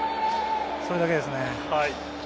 それだけですね。